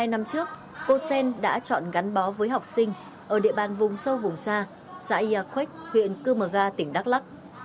một mươi hai năm trước cô sen đã chọn gắn bó với học sinh ở địa bàn vùng sâu vùng xa xã yà khuếch huyện cư mờ ga tỉnh đắk lắk